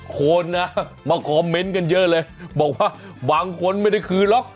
คนนะมาคอมเมนต์กันเยอะเลยบอกว่าบางคนไม่ได้คืนหรอก